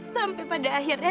sampai pada akhirnya